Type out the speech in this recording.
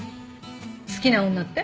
好きな女って？